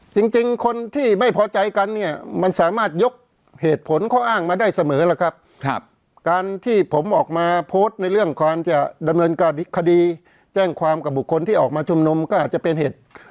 จริงคนที่ไม่พอใจกันเนี่ยมันสามารถยกเหตุผลข้ออ้างมาได้เสมอล่ะครับการที่ผมออกมาโพสต์ในเรื่องความจะดำเนินคดีแจ้งความกับบุคคลที่ออกมาชุมนุมก็อาจจะเป็นเหตุ